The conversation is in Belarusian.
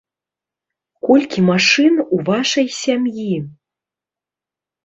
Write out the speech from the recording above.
Колькі машын у вашай сям'і?